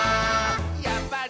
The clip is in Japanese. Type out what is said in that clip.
「やっぱり！